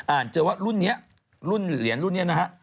เจอว่ารุ่นนี้รุ่นเหรียญรุ่นนี้นะฮะ